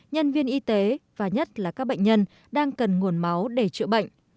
nhân viên y tế và nhất là các bệnh nhân đang cần nguồn máu để chữa bệnh